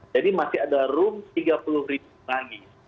jadi masih ada rum tiga puluh lagi